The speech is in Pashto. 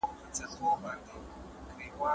د هدف درلودل د بې موخي ژوند په پرتله غوره دي.